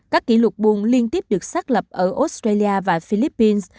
các kỷ lục buồn liên tiếp được xác lập ở australia và philippines